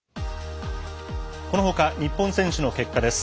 このほか日本選手の結果です。